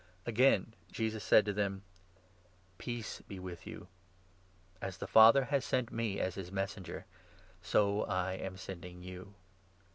Again Jesus said to them :" Peace be with 21 you. As the Father has sent me as his Messenger, so I am Bending you."